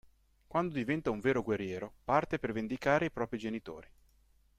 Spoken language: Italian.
Quando diventa un vero guerriero parte per vendicare i propri genitori.